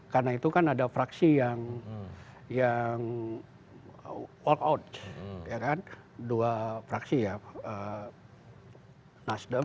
karena itu kan ada fraksi yang walk out dua fraksi ya nasdem